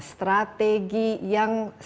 strategi yang sangat tinggi